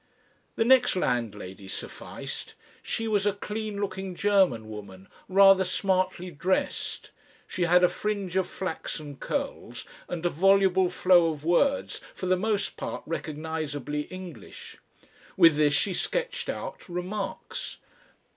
The next landlady sufficed. She was a clean looking German woman, rather smartly dressed; she had a fringe of flaxen curls and a voluble flow of words, for the most part recognisably English. With this she sketched out remarks.